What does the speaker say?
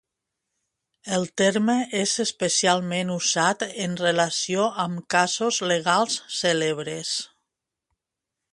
El terme és especialment usat en relació amb casos legals cèlebres.